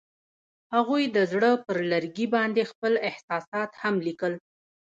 هغوی د زړه پر لرګي باندې خپل احساسات هم لیکل.